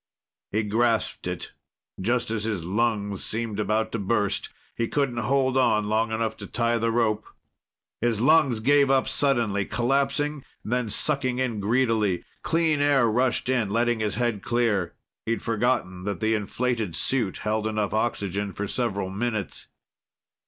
He grasped it, just as his lungs seemed about to burst. He couldn't hold on long enough to tie the rope.... His lungs gave up suddenly, collapsing and then sucking in greedily. Clean air rushed in, letting his head clear. He'd forgotten that the inflated suit held enough oxygen for several minutes.